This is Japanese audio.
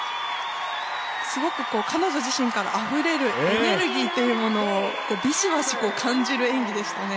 すごく彼女自身からあふれるエネルギーっていうものをビシバシ感じる演技でしたね。